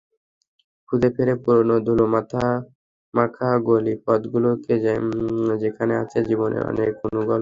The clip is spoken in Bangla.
খুঁজে ফেরে পুরোনো ধুলোমাখা গলি পথগুলোকে, যেখানে আছে জীবনের অনেক অনুগল্প।